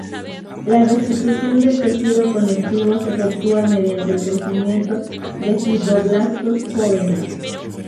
La restitución del tejido conectivo se efectúa mediante el crecimiento de fibroblastos jóvenes.